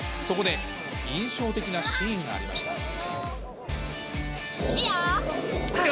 そこで印象的なシーンがありました。